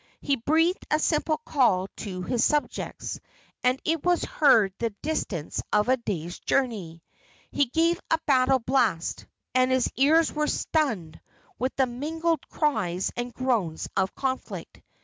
He breathed a simple call to his subjects, and it was heard the distance of a day's journey. He gave a battle blast, and his ears were stunned with the mingled cries and groans of conflict.